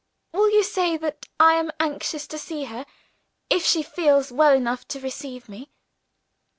"Will you say that I am anxious to see her, if she feels well enough to receive me?"